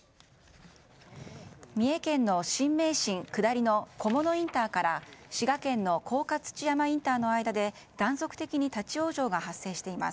三重県の新名神下りの菰野インターから滋賀県の甲賀土山インターの間で断続的に立ち往生が発生しています。